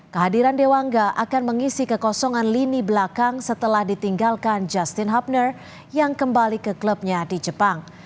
kehadiran dewangga akan mengisi kekosongan lini belakang setelah ditinggalkan justin hubner yang kembali ke klubnya di jepang